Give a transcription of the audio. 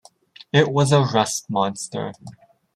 It was a rust monster.